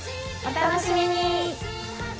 お楽しみに！